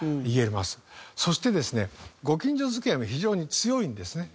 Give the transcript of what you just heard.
そしてですねご近所付き合いも非常に強いんですね。